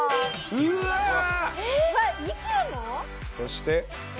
そして。